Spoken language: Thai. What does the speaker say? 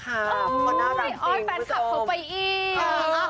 พอร์น่ารักจริงพูดตรงอ้อยแฟนคลับเขาไปอีก